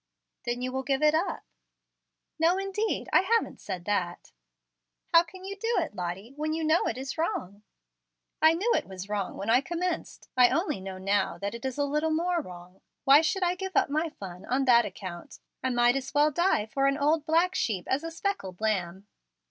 "Then you will give it up." "No indeed. I haven't said that." "How can you do it, Lottie, when you know it is wrong?" "I knew it was wrong when I commenced. I only know now that it is a little more wrong. Why should I give up my fun on that account? I might as well die for an old black sheep as a speckled lamb."